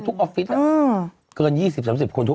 เกิน๒๐๓๐คนอะไรอยู่